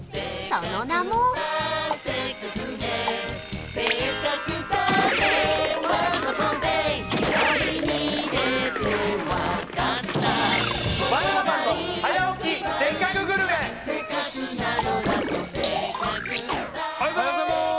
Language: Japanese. その名もおはようございます！